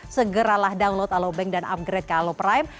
segeralah download alo bank dan upgrade ke alo prime